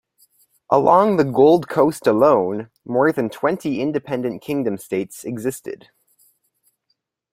Along the Gold Coast alone, more than twenty independent kingdom-states existed.